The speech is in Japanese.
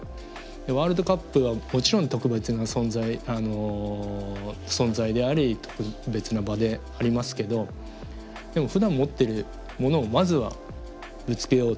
ワールドカップはもちろん特別な存在存在であり特別な場でありますけどでもふだん持ってるものをまずはぶつけようと。